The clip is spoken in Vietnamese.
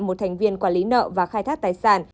một thành viên quản lý nợ và khai thác tài sản